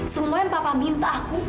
semua yang papa minta aku